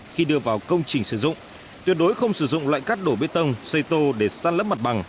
khi đưa vào công trình sử dụng tuyệt đối không sử dụng lại cắt đổ bê tông xây tô để săn lấp mặt bằng